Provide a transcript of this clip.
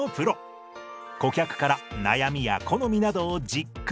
顧客から悩みや好みなどをじっくりと聞き出します。